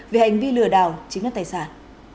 về hành vi lừa đảo chính đất tài sản